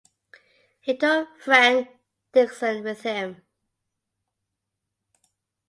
He took Fr Dixon with him.